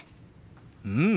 うん！